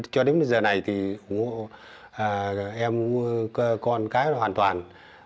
cho đến bây giờ này thì ủng hộ em con cá hoàn toàn